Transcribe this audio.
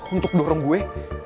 untuk dorong gue